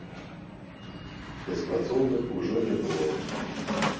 Беспрацоўных ужо не было.